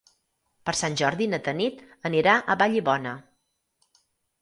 Per Sant Jordi na Tanit anirà a Vallibona.